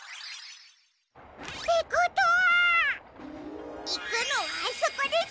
ってことはいくのはあそこですね！